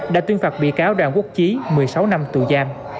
đã tuyên phạt bị cáo đoàn quốc trí một mươi sáu năm tù giam